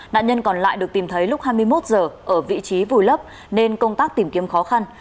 nạn nhân còn lại được tìm thấy lúc hai mươi một h ở vị trí vùi lấp nên công tác tìm kiếm khó khăn